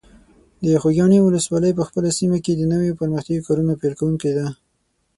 د خوږیاڼي ولسوالۍ په خپله سیمه کې د نویو پرمختیایي کارونو پیل کوونکی ده.